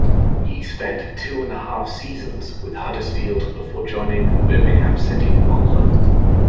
He spent two-and-a-half seasons with Huddersfield before joining Birmingham City on loan.